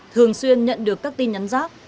thường xuyên nhận được các tin nhắn giáp